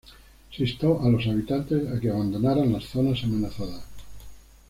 Se instó a los habitantes que abandonaran las zonas amenazadas.